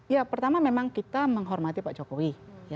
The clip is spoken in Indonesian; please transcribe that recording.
ya pertama memang kita menghormati pak jokowi